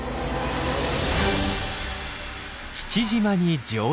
父島に上陸。